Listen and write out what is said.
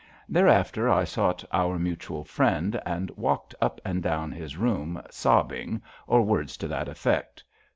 Thereafter I sought our Mutual Friend and walked up and down his room sobbing, or words to that effect.